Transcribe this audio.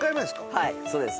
はいそうです。